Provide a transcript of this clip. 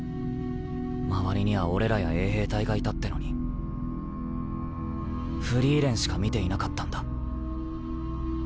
周りには俺らや衛兵隊がいたってのにフリーレンしか見ていなかったんだ。